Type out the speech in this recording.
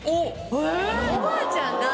おばあちゃんが。